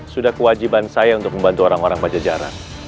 sudah kewajiban saya untuk membantu orang orang pajajaran